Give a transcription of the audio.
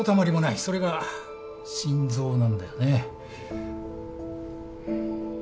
それが心臓なんだよね。